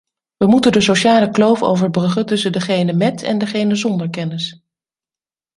We moeten de sociale kloof overbruggen tussen degenen met en degenen zonder kennis.